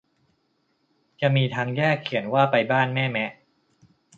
จะมีทางแยกเขียนว่าไปบ้านแม่แมะ